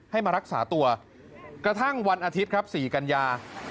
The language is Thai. ให้มารักษาตัวกระทั่งวันอาทิตย์ครับ๔กัญญา